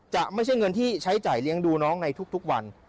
จะไม่ใช่เงินที่ใช้จ่ายเลี้ยงดูน้องในทุกวัน